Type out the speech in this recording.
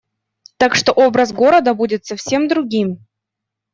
Так что образ города будет совсем другим.